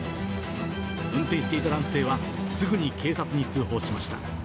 運転していた男性は、すぐに警察に通報しました。